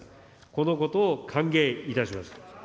このことを歓迎いたします。